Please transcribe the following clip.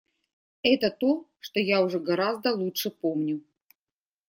Это то, что я уже гораздо лучше помню.